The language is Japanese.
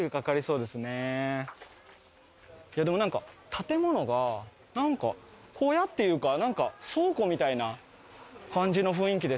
いやでも建物がなんか小屋っていうかなんか倉庫みたいな感じの雰囲気ですね。